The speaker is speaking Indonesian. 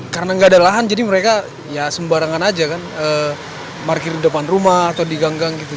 karena gak ada lahan jadi mereka sembarangan aja kan parkir di depan rumah atau diganggang gitu